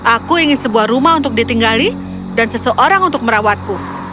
aku ingin sebuah rumah untuk ditinggali dan seseorang untuk merawatku